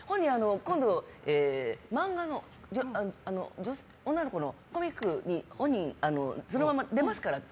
今度漫画の女の子のコミックにそのまま出ますからって。